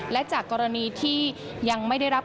และจากกรณีที่ยังไม่ได้รับ